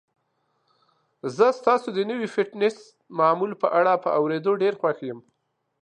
زه ستاسو د نوي فټنس معمول په اړه په اوریدو ډیر خوښ یم.